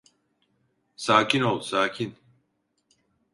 Sakin ol, sakin.